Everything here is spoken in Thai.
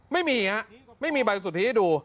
ไม่มีฮะไม่มีใบสุทธิให้ดู